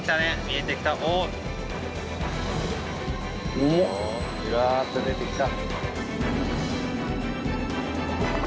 ゆらっと出てきた。